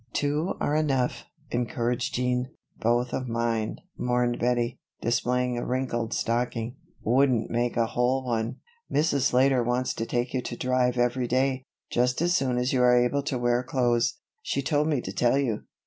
"Two are enough," encouraged Jean. "Both of mine," mourned Bettie, displaying a wrinkled stocking, "wouldn't make a whole one." "Mrs. Slater wants to take you to drive every day, just as soon as you are able to wear clothes. She told me to tell you."